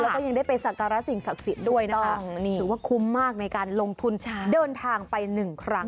แล้วก็ยังได้ไปศักรสินธรรมศักดิ์สินด้วยคือก็คุ้มมากในการลงทุนเดินทางไป๑ครั้ง